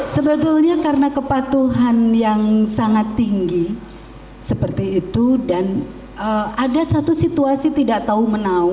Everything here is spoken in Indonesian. sebetulnya karena kepatuhan yang sangat tinggi seperti itu dan ada satu situasi tidak tahu menau